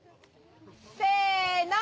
せの！